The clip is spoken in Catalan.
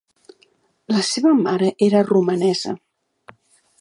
La seva mare era romanesa.